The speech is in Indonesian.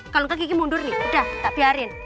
kalau enggak kiki mundur nih udah tak biarin